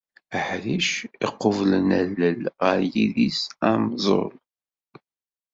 Aḥric iqublen allel ɣer yidis anẓul.